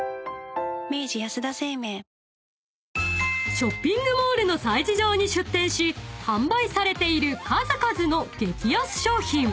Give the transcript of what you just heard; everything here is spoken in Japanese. ［ショッピングモールの催事場に出店し販売されている数々の激安商品］